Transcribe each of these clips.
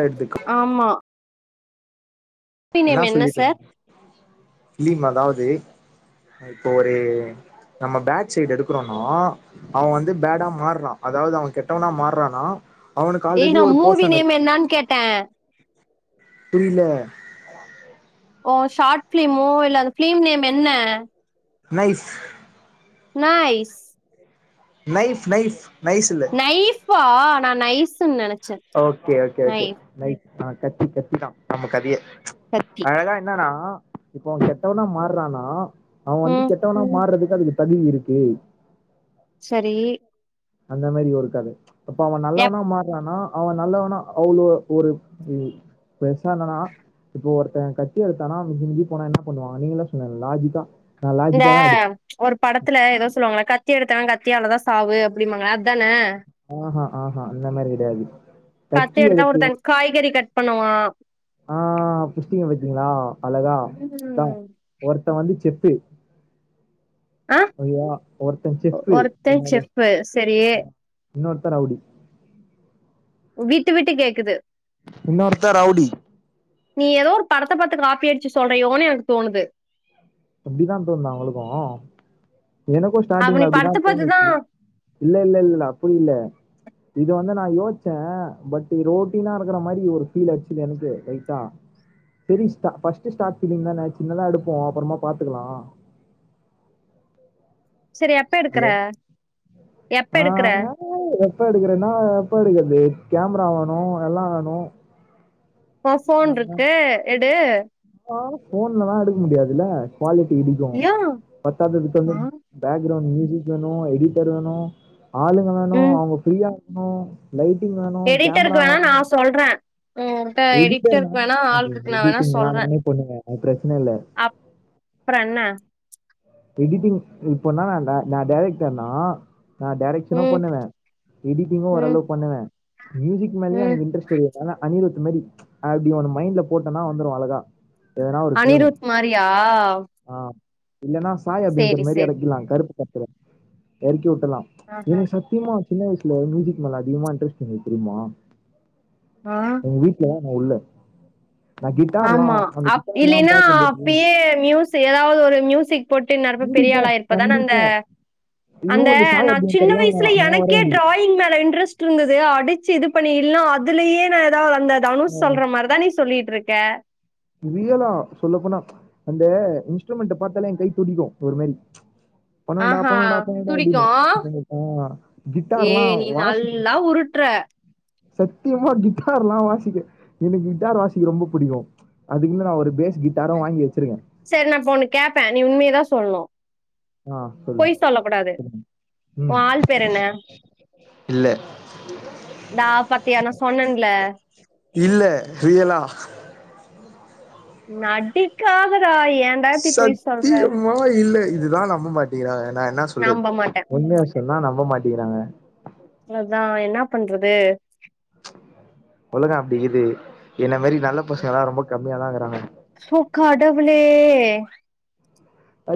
எடுத்துக்க ஆமா மூவி இன்னா நேம் என்ன சார் சொல்லிட்டுருந்தீங்க இல்லீங் அதாவுது இப்போ ஒரு நம்ம பேட் சைடு் எடுக்கறோன்னோ அவ வந்து பேடா மாற்றா அதாவது அவ கெட்டவனா மாற்றானா அவனுக்கு ஏய் ஆல்ரெடி நான் ஒரு மூவி நேம் போஷன்னுருக் என்னான்னு கேட்டேன் டில்ல ஓ ஷார்ட் ஃபிலிமோ இல்ல அது ஃபிலிம் நேம் என்ன knife noise knife knife nice இல்ல ஃப்பா நா நைசுன் நெனச் ஓகே ஓகே ஓகே நைஃப் அ கத்தி கத்தி தா நம்ம கதியே கத்தி அதேதா என்னான்னா இப்ப அவ கெட்டவனா மாற்றான்னா அவ வந்து ம் கெட்டவனா மாற்றதுக்கு அதுக்கு தகுதி இருக்கு செரி அந்த மேரி ஒரு கத இப்ப அவ எப் நல்லவனா மாற்றானா அவ நல்லவனா அவ்ளோ ஒரு பெர்சா என்னன்னா இப்போ ஒருத்த கத்தி எடுத்தானா மிஞ்சி மிஞ்சி போனா என்ன பண்ணுவா நீங்களே சொல்லுங்க லாஜிக்கா நான் இந்த லாஜிக்கா தான் ஒரு படத்துல ஏதோ சொல்லுவாங்கள கத் தி எடுத்தவ கத்தியாலதா சாவு அப்டிம்பாங்களே அத்தான ஆ ஹா அந்த மேரி கெடையாது கத்தி எடுத்தா ஒருத்த காய்கறி கட் பண்ணுவா ஆ புஷ்டிங்க பாத்தீங்களா அலகா அத்தா ம். ஒருத்த வந்து செஃப் ஃபு ஆ அதுதா ஒருத்த செஃப்ஃபு ஒருத்தன் என்னது செஃப் சரி அ இன்னோர்த்த ரவுடி விட்டு விட்டு கேக்குது வுன்னோர்த்த ரவுடி நீ ஏதோ ஒரு படத்த பாத்து காப்பி அடிச்சு சொல்றியோனு எனக்கு தோணுது அப்டிதா தோந்தா உங்களுக்கு எனக்கு அவ நீ ஸ்டார்டிங்ல படத்த அப்டிதான் பாத்துதா தோனுச்சி இல்ல இல்ல இல்லல்ல அப்டி இல்ல இது வந்து நா யோச்சே பட் ரோட்டினா இருக்கற மாரி ஒரு ஃபீல் அச்சுது எனக்கு லைட்டா பெரிஸ்டா பர்ஸ்ட் ஷார்ட்பிலிம் தா சின்தா எடுப்போ அப்றமா பாத்துக்கலா சரி எப்ப எடுக்கற ஹலோ எப்ப எடுக்கற ஆஹ் நா எப்ப எடுக்கறேன நான் எப்ப எடுக்கர்து கேமரா வோணு எல்லா வேணும் உ போன்ருக்கு எடு ஆ போன்லல்லா எடுக்க முடியாதுல்ல குவாலிட்டி இடிக்கோ யா பத்தாதுக்கு சொல்லு பேக்ரௌண்டு மீ [unintelligible] வேணு எடிட்டர் வேணு ஆளுங்க வேணு ம் அவுங்க ஃப்ரீயா இருக்கணு லைட்டிங் வேணு கேம்ரா எடிட்டருக்கு வேணா வேணு நா சொல்றே உன்கிட்ட எடிட்டருக்கு எடிட்டர்னானே வேணா ஆள் இருக்கு நா வேணா எடிங்ல்லா சொல்றே நானே பண்ணுவே அத் பிரச்சன இல்ல அப்புற என்ன எடிட்டிங் இப்பனா நா நா டைரக்டர்னா நான் டைரக்ஷனோ ம் பண்ணுவே எடிட்டிங்கு ம் ஓரளவு பண்ணுவ மியூசிக் மேலேயு ம் எனக்கு இன்டரெஸ்ட் இருக்கற்னால அனிரூத் மாரி அப்டி ஒன்னு மைண்ட்ல போட்டேனா வந்துரு அழகா எதனா ஒரு டியூன அனிருத் மாரியா ஆஹ் இல்லன்னா சாய் சேரி அப்யங்கர் மாரி சேரி எறக்கில்லா கருப்பு படத்துல எறக்கிவுட் லாம் ஆஹ எனக்கு சத்தியமா சின்ன வயசுல மியூசிக் மேல அதிகமா இன்ட்ரெஸ்ட்ருந்தது தெரியுமா ஆ எங்க வீட்ல என்ன உள்ள நான் கிட்டார்லாம் ஆமா அந்த அப் கிட்டார்லாம் இல்லின்னா பார்க்கும்போது அப்யே மியூசி ஏதாவது ஒரு மியூசிக் போட்டு இன்னேரேப்ப பெரிய கண்டிப்பா ஆளா இருப்பதான அந்த கண்டிப்பா ஐயோ அந்த இந்த சாய் நா சின்ன அப்படிங்கிறலாம் வயசுல நான் வர எனக்கே வேண்டியது டிராயிங் மேல இன்ட்ரெஸ்ட் இருந்தது அடிச் சி இது பண்ணில்லா அதுலயே நா ஏதாவது அந்த தனுஷ் சொல்ற மார்தா நீ சொல்லிட்டுருக்க வியலோ சொல்லப்போனா அந்த இன்ஸ்ட்ருமெண்ட பாத்தாலே என் கை துடிக்கு ஒரு மாரி பண்னுண்டா ஆஹா! பண்ணனுண்டா பண்ணனுண்டா துடிக்கும். அப்டின்னு அ கிட்டார்ல்லாம் வாசிக் அ சத்தியமா கிட்டார்ல்லா வாசிக்க எனக்கு கிட்டார் வாசிக்க ரொம்ப புடிக்கு அதுக்குன்னு நா ஒரு பேஸ் கிட்டாரு வாங்கி வச்சிருக்க சரி நா இப்ப நா ஒண்ணு கேப்ப நீ உண்மையதா சொல்னு ஆஹ் சொல்லுங் சொல்லுங்க உம் உன் ஆள் பேர் என்ன? இல்லே நா பாத்தியா நா சொன்னன்ல இல்ல ரியலா நடிக்காத சத்தியமா இல்லை இதுதா நம்ப மாட்டுகிறாங்க நா என்னா சொல்றது நம்ப மாட்டேன். உண்மய சொன்னா நம்ப மாட்டுகிறாங்க அத்தா என்னா பண்றது உலகோ அப்டி கிது என்ன மாரி நல்ல பசங்கல்லா ரொம்ப கம்மியாதாகிறாங்க ஓ கடவுளே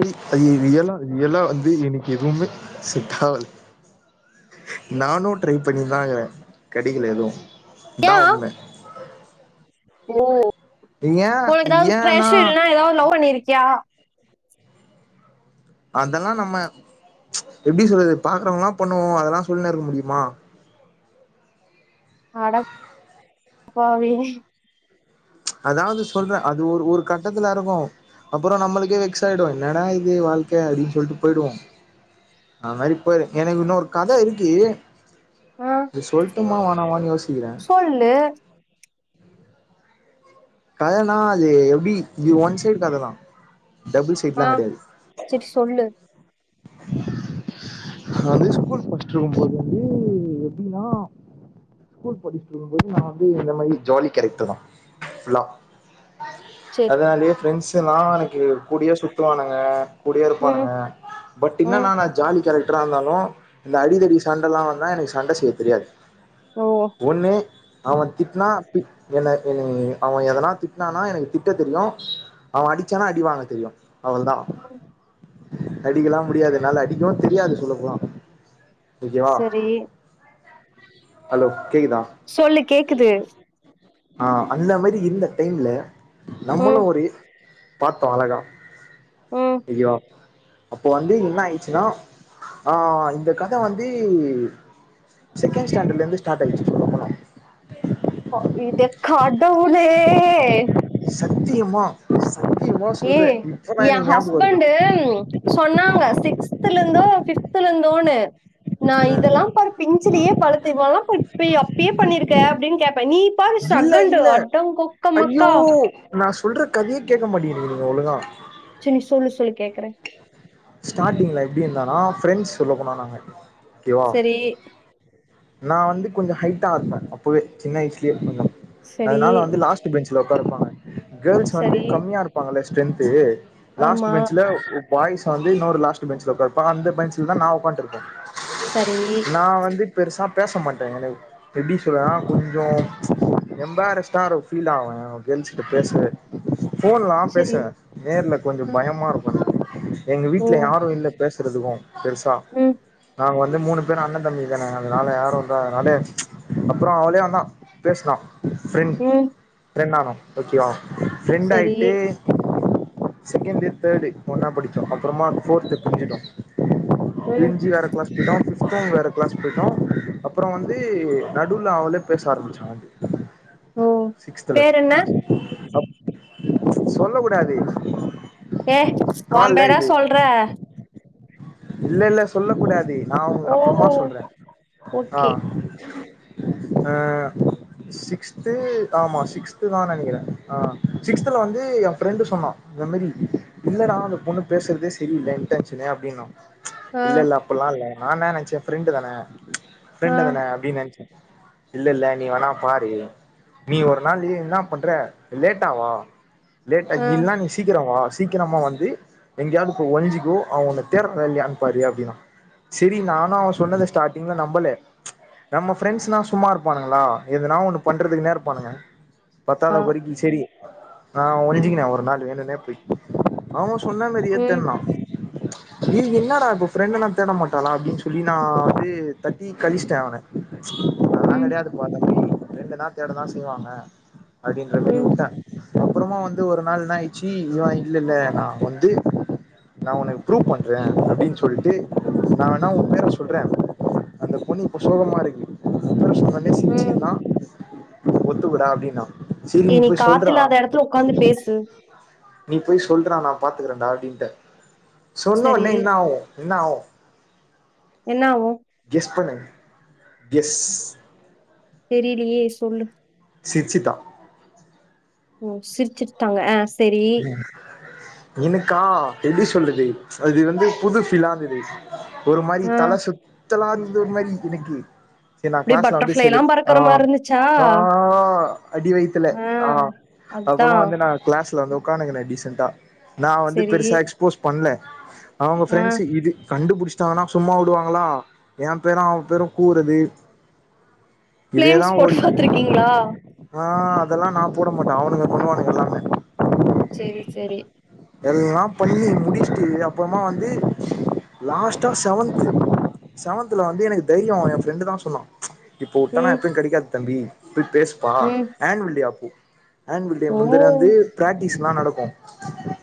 ஐ ஐ ரியலா ரியலா வந்து எனக்கு எதுமே செட்டாவாது நானு ட்ரை பண்ணின்தா கிற கெடைக்குள எதுவும் இதா உண்ம உம் ஏ உனக்கு ஏதாவது ஏன்னா கிரஷ்ஷு இல்ன்னா ஏதாவது லவ் பண்ணிருக்கியா அதெல்லா நம்ம எப்டி சொல்றது பாக்குறவ்ங்கலா பண்ணுவோ அதெல்லா சொல்ன்னு இருக்க முடியுமா அடப் பாவி அதாவ்து சொல்ற அது ஒரு ஒரு கட்டத்துல இருக்கு அப்பறோ நம்மளுக்கே வெக்ஸ் ஆய்டு என்னடா இது வாழ்க்க அப்டின் சொல்ட்டு போய்டுவோ அது மாரி போயிரு எனக்கு இன்னொரு கத இருக்கு ஆ இது சொல்ட்டுமா வேணாமான் யோசி சொல்லு கதன்னா அது எப்டி இது ஒன் சைட் கததா டபுள் ஆ சைட்லா கெடையாது செரி சொல்லு அது ஸ்கூல் படிச்சுட்டு இருக்கும்போது வந்து எப்டின்னா ஸ்கூல் படிச்சிட்டு இருக்கும் போது நா வந்து இந்த மாரி ஜாலி கேரக்ட்ரு தா ஃபுல்லா செரி அதனாலயே ஃப்ரெண்ட்ஸெல்லா எனக்கு கூடயே சுத்துவானுங்க கூடயே ம் இருப்பானுங்க பட் ம் இன்னனா நா ஜாலி கேரக் ட்ரா இருந்தாலு இந்த அடித்தடி சண்டலா வந்தா எனக்கு சண்ட செய்ய தெரியாது ஓ ஒன்னு அவ திட்னா திட் என்ன என்னய அவ எதனா திட்னானா எனக்கு திட்ட தெரியு அவ அடி ச்சானா அடிவாங்க தெரியு அவள்தா அடிக்கலா முடியாது என்னால அடிக்கவு தெரியாது சொல்லப்போனா ஓகேவா செரி ஹலோ கேக்குதா சொல்லு கேக்குது ஆ அந்த மாரி இந்த டைம்ல நம்மளு ம் ஒரு பாத்தோ அழகா ம் ஓகேவா அப்போ வந்து என்ன ஆயிர்ச்சுனா ஆ இந்த கத வந்து செகண்ட் ஸ்டாண்டட்லருந்து ஸ்டார்ட் ஆய்ர்ச்சு சொல்ல போனா [inaudible] இது கடவுளே சத்தியமா சத்தியமா ஏ சொல்றே இப்பதா எ எனக்கு ஞாபகோ வருது ஹஸ்பண்ட்டு சொன்னாங்க சிக்ஸ் த்லந்தோ ஃபிஃப்த்துல இருந்தோன்னு நா ஆ இதெல்லா பாரு பிஞ்சிலயே பழுத்து இவலா போய் இப்பய் அப்பயே பண்ணிருக்க அப்டின் கேட் இப்ப நீ பாரு இல்ல சகண்டு இல்ல அடங் கொக்க ஐயோ மக்கா நா சொல்ற கதையே கேக்க மாட்டிங்குறீங்க நீங்க ஒழுங்கா சேர் நீ சொல்லு சொல்லு கேக்குறே ஸ்டார்டிங்ல எப்டி இருந்தனா ஃப்ரெண்ட்ஸ் சொல்ல போனா நாங்க ஓகேவா செரி நா வந்து கொஞ்ச ஹைட்டா இருப்பே அப்பவே சின்ன வயசுலே கொஞ்ச செரி அதனால வந்து லாஸ்ட் பெஞ்ச் த்துல ஒக்கார வெப்பாங்க கேர்ள்ஸ் வந்து செரி கம்மியா இருப்பாங்கல்ல ஸ்ட்ரென்த்து லாஸ்ட்டு ஆமா பென்ச்சுல உக் பாய்ஸ வந்து இன்னொரு லாஸ்ட்டு பென்ச்ல உக்கார வைப்பா அந்த பென்ச்சில் தா நா ஒக்காந்ட்டு இருப்பே சரி நான் வந்து பெருசா பேச மாட்டே எனக்கு எப்டி சொல்லலா கொஞ்சோ எம்பேரஸ்ட்டா ஒரு ஃபீல்டாவே கேர்ள்ஸ் கிட்ட பேசவே ஃபோன்லா செரி பேசுவே நேர்ல கொஞ்ச ம். பயமா இருக்கு எனக்கு எங்க ஓ! வீட்ல யாரு இல்ல பேச இருந்துக்குவோ பெருசா ம். நாங்க வந் து மூணு பேரு அண்ணந்தம்பிங்க தானே அதனால யாரு வந்தானாலே அப்றோ அவனே வந்தா பேசுனா ஃப்ரெண் ம். ஃப்ரெண்ட் ஆனோ ஓகேவா ப்ரெண்ட் சரி. ஆயிட்டு சகெண்டு தேர்டு ஒன்னா படிச்சோ அப்பறமா ஃபோர்த்துல பிரிஞ்சிட்டோ ம். பிரிஞ்சு வேரக் கிளாஸ்க்கு யாரு ஃபிஃப்த்து வேற கிளாஸ் போய்ட்டோ அப்பற வந்து நடுல அவளே பேச ஆரம்பிச்சாண்டி ஓ! சிக்ஸ்த்துல பேர் என்ன? அப் சொல்ல கூடாது ஏ கால்ல ஒம்பேறா இது சொல்ற இல்ல இல்ல சொல்லக்கூடாது நா உங்கள ஓ! அப்புறமா சொல்றே ஆ ஓகே. அ சிக்ஸ்த்து ஆமா சிக்ஸ்த்து தா நெனைக்கிறே ஆ சிக்ஸ்த்துல வந்து எ ப்ரெண்டு சொன்னா அந்தமரி இல்லடா அந்த பொண்ணு பேசறதே செரியில்ல இண்டக்ஷன்னு அப்டின்னா ஆ, இல்லல்ல அப்பல்லா இல்ல நா என்ன நெனைச்சே ஃப்ரெண்டு தான ஆ, ப்ரெண்டு தான அப்டின்னு நெனைச்சே இல்லல்ல நீ வேணா பாரு நீ ஒரு நாள்ல என்னா பண்ற லேட்டா வா லேட்டா ஆ. இல்லன்னா நீ சீக்கிரோ வா சீக்கிரமா வந்து எங்கேயாவது போய் எங்கேயாவது போயி ஒளிஞ்சுக்கோ அவ உன்ன தேடுதால்லையானு பாரு அப்டின்னா செரி நானு அவ சொன்னத ஸ்டார்டிங்ல நம்பல நம்ம ப்ரெண்ட்ஸ்னா சும்மா இருப்பானுங்ளா எதுனா ஒண்ணு பண்றதுக்குனே இருப்பானுங்க பத்தாத குறைக்கு சேரி நா ஒளிஞ்சுக்கின்னே ஒரு நாலு வேணுனே போயி அவ சொன்ன மேரியே ம், தேன்னா ஏ என்னடா இப்போ ஃப்ரெண்ட்டனா தேட மாட்டாளா அப்டின்னு சொல்லி நா வந்து தட்டி கழிச்சிட்டே அவன அதல்லா ம், கெடையாதப்பா தம்பி ஃப்ரெண்டனா தேட தா செய்வாங்க அப்டின்ற மாரி ம், உட்டே அப்புறமா வந்து ஒரு நாள் என்னாயிடுச்சு இவ இல்லல்ல நா வந்து நா ஒன்ன ப்ரூவ் பண்றே அப்டின் சொல்ட்டு ம், நா வேணா உ பேர சொல் சொல்றே அந்த பொண்ணு இப்ப சோகமாருக்கு உன் பேர சொன்னோன்னே ம். சிரிச்சுதுன்னா ஒத்துக்கோட அப்டின்னா சேரி ஏ நீ போய் சொல்றா காத்தில்லாத எடத்துல உக்காந்து பேசு. நீ போய் சொல்றா நா பாத்துக்கிறேன்டா அப்டின்ட்டே சரி. சொன்னவொன்னே என்னாகு என்னாகு என்னாவு கெஸ் பண்ணு கெஸ் தெரிலியே சொல்லு சிர்ச்சிட்டா ஓ சிரிச்சிட்டாங்க ஆஸ் ம் எனக்கா எப்பிடி சொல்றது அது வந்து புது ஃபீலாந்தது ஒரு மாரி ஆ தலை சுத்தலாருந்த மாரி எனக்கு செரி நா அப்டியே கிளாஸ்ல வந்து செல்லு பட்டர்ஃப்ளைலாம் அ பறக்குற மாரி இருந்துச்சா? ஆ அடி வயித்துல ஆ அப்புறமா அதான். வந்து நா கிளாஸ்ல வந்து உட்காந்துக்கின்ன டீசண்டா நா வந்து சரி. பெருசா எக்ஸ்போஸ் பண்ல அவங்க ஆ ஃப்ரெண்ட்ஸ் இது கண்டுபிடிச்சட்டாங்கன்னா சும்மா விடுவாங்களா என் பேரு அவ பேரு கூறது இதேதா ஃபிளேம்ஸ் போட்டு ஓடிட்டு [inaudible] பாத்துருக்கீங்களா? அ ஆ ஹா அதெல்லா நா போட மாட்டே அவனுங்க பண்ணுவனுங்க எல்லாமே செரி செரி எல்லா பண்ணி முடிச்சுட்டு அப்பறமா வந்து லாஸ்டா செவன்த் செவன்த்ல வந்து எனக்கு தைரியோ ஏ ஃப்ரெண்டு தா சொன்னா இப்போ உட்டனா ம். எப்பயு கெடைக்காது தம்பி போய் பேசுப்பா‌ ம். ஆனுவல்‌டே அப்போ ஆன்வல் டே ஓ! முந்திர வந்து பிராக்டிஸல்லா நடக்கு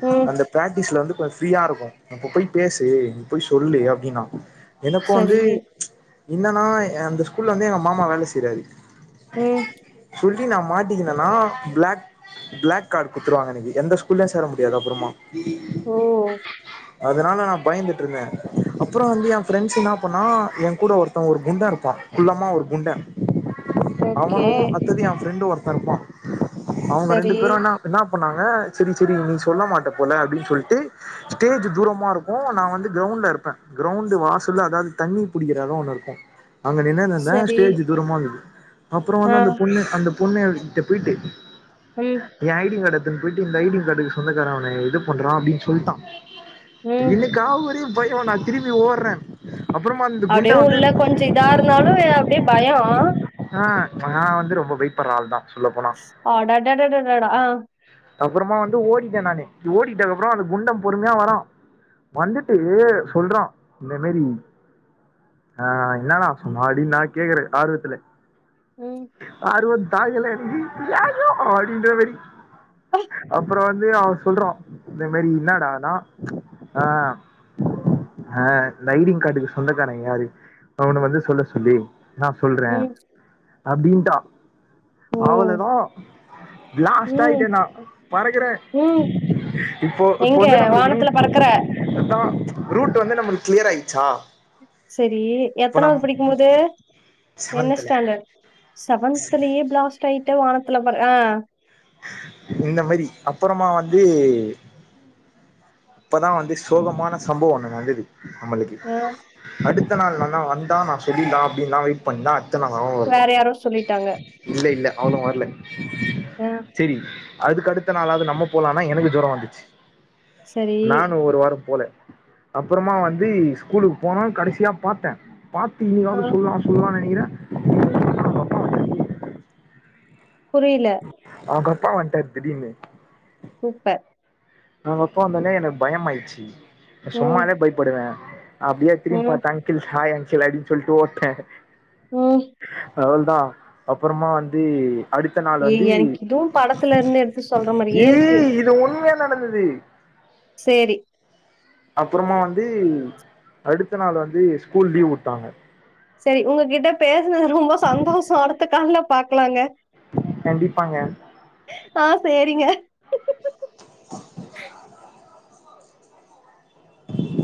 ம். அந்த பிராக்டிஸ்ல வந்து ப்ப ஃப்ரீயாருக்கு போய் பேசு நீ போய் சொல்லு அப்டின்னா எனக்கு சரி. வந்து என்னன்னா அந்த ஸ்கூல்ல வந்து எங்க மாமா வேல செய்றாரு ம் அப்டி நா மாட்டிக்கின்னன்னா பிளாக் பிளாக் கார்டு குடுத்துருவாங்க எனக்கு எந்த ஸ்கூல்லயு சேர முடியாது அப்பறமா ஓ! அதனால நா பயந்துட்டுருந்தே அப்புறோ வந்து எ ஃப்ரெண்ட்ஸ் என்ன பண்ணா எ கூட ஒருத்தவ ஒரு குண்ட இருப்பா குள்ளமா ஒரு குண்ட ஓகே. அவனு அத்தது எ ஃபிரெண்டு ஒருத்தவருப்பா அவங்க ரெண்டு சரி, பேரு என்ன என்னாப் பண்ணாங்க செரி செரி நியூஸ் சொல்ல மாட்டே போனா அப்டின்னு சொல்லிட்டு ஸ்டேஜ் தூரமா இருக்கு நா வந்து கிரவுண்ட்ல இருப்பே கிரவுண்ட் வாச ல்ல அதாவது தண்ணி புடிக்கிற எடொ ஒண்ணு இருக்கு அங்க நின்னுனு இருந்த சரி. ஸ்டேஜ் தூரமா இருகுது அப்புற ஆ. வந்து அந்த பொண்ணு அந்த பொண்ணு கிட்ட போய்டிட்டு ம், எ ஐ டி கார்ட எத்துனு போயிட்டு இந்த ஐ டி கார்டுக்கு சொந்தக்கார உன்ன இ இது பண்றா அப்டின்னு சொல்ட்டா ம். என்னக்கா ஒரே பயோ நா திருப்பி ஓட்றே அப்புறமா அந்த குண்டா அப்டியே வந்து உள்ள கொஞ்ச இதா இருந்தாலு அப்டியே பயோ ஆ நா வந்து ரொம்ப பைப்புற ஆள் தா சொல்ல போனா ஆடடடடடடா ஆ அப்புறமா வந்து ஓடிட்டே நானு ஓடிட்டதுக்கு அப்புறோ அந்த குண்ட பொறுமையா வரா வந்துட்டு சொல்றா இந்த மாரி ஆ என்னனா சொன்னா அடின்னு நா கேக்குறே ஆர்வத்துல ம். ஆர்வத் கால்ல இருந்து ஐயயோ அப்டின்ற மாரி அப்புறோ வந்து அவ சொல்றா இந்த மாரி இன்னாடானா ஆ ஹா இந்த ஐ டிங் கார்ட்டுக்கு சொந்தக்கார யாரு அவன வந்து சொல்ல சொல்லு நா சொல்றே ம். அப்டின்ட்டா ஓ! அவளதா பிளாஸ்ட் ம், ஆயிட்டே நா பறக்கறே ம். இப்போ இப்ப எங்க வந்து நம்மளுக்கு வானத்துல ரூட் பறக்கற. [inaudible] ரூட் வந்து நமளுக்கு கிளியர் ஆயிடுச்சா செரி இப்ப நம் எத்தனாவது படிக்கும் போது என்னச் செவன்த்ல ஸ்டாண்டட் செவன்துலயே பிளாஸ்ட் ஆயிட்டு வானத்துல ம் ஆ இந்த மாரி அப்புறமா வந்து அப்பதா வந்து சோகமான சம்பவ ஒன்னு நடந்துது நம்மளுக்கு ஆ. அடுத்த நாள் நனா வந்தா நா சொல்லிட்லா அப்டின்னுலா வெயிட் பண்தா துல ஞாபோ வருது வேற யாரோ சொல்லிட்டாங்க. இல்ல இல்ல அவளு வர்ல அ ரி அதுக்கு அடுத்த நாளாவது நம்ம போலானா எனக்கு ஜொர வந்துச்சு சரி. நானு ஒரு வார போல அப்புறமா வந்து ஸ்கூலுக்கு போனோ கடைசியா பாத்தே பாத்து ஆ. இன்னிக்காவது சொல்லுலா சொல்லுலா நெனைக்கிறே [inaudible] புரியில அவங்க அப்பா வன்ட்டாரு திடீர்னு சூப்பர் அவங்க அப்பா வந்தோனே எனக்கு பயம் ஆயிச்சு ம். சும்மாவே பயப்படுவே அப்படியே ம் திரும்பி பாத்து அங்கிள் ஹாய் அங்கிள் அப்டின்னு சொல்ட்டு ஓட்டே ம் அவள்தா அப்புறமா வந்து அடுத்த நாள் எ வந்து எனக்கு இதுவும் படத்துல இருந்து எடுத்து சொல்ற மாரியே இ இருக்கு இது உண்மைய நடந்தது சேரி அப்புறமா வந்து அடுத்த நாள் வந்து ஸ்கூல் லீவ் விட்டாங்க சரி உங்ககிட்ட பேசுனது ரொம்ப சந்தோஷொ அடுத்த கால்ல பாக்கலாங்க கண்டிப்பாங்க ஆ சேரிங்க [inaudible]